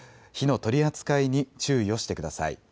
火の取り扱いに注意をしてください。